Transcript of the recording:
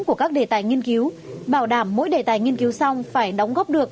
của các đề tài nghiên cứu bảo đảm mỗi đề tài nghiên cứu xong phải đóng góp được